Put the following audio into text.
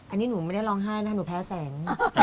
อันนี้หนูไม่ได้ร้องไห้นะหนูแพ้แสง